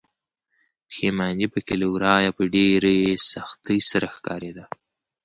پښيماني پکې له ورايه په ډېرې سختۍ سره ښکاريده.